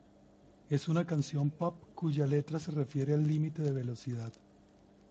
Es una canción pop cuya letra se refiere al límite de velocidad.